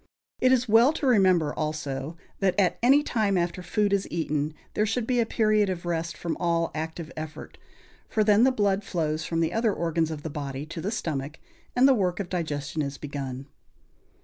It is well to remember, also, that, at any time after food is eaten, there should be a period of rest from all active effort; for then the blood flows from the other organs of the body to the stomach, and the work of digestion is begun.